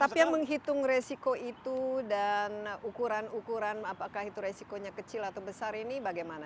tapi yang menghitung resiko itu dan ukuran ukuran apakah itu resikonya kecil atau besar ini bagaimana